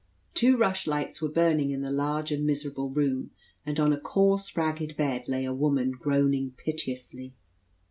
Two rushlights were burning in the large and miserable room, and on a coarse ragged bed lay a woman groaning piteously.